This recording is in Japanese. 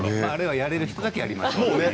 やれる人だけやりましょうね。